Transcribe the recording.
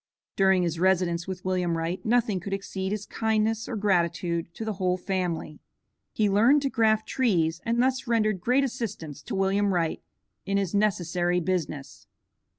During his residence with William Wright, nothing could exceed his kindness or gratitude to the whole family. He learned to graft trees, and thus rendered great assistance to William Wright in his necessary business.